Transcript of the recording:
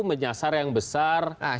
menyasar yang besar di luar negeri